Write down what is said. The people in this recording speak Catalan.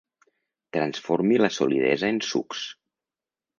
Transformi la solidesa en sucs.